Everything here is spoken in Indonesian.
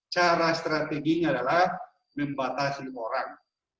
cara strateginya adalah membatasi orang